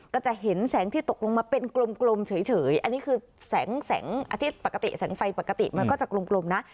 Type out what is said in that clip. ก็จะเห็นแสงที่ตกลงมาเป็นกลมเฉยอันนี้คือแสงอาทิตย์ปกติแสงไฟปกติมันก็จะกลมนะ